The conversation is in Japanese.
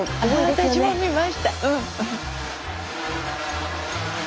私も見ましたうん。